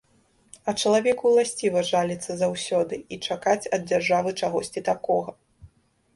А чалавеку ўласціва жаліцца заўсёды і чакаць ад дзяржавы чагосьці такога.